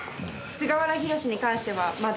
菅原弘志に関してはまだ。